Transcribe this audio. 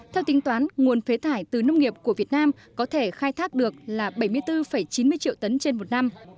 theo tính toán nguồn phế thải từ nông nghiệp của việt nam có thể khai thác được là bảy mươi bốn chín mươi triệu tấn trên một năm